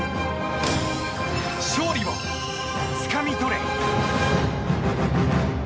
勝利をつかみ取れ！